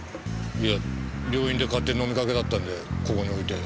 いや病院で買って飲みかけだったんでここに置いて。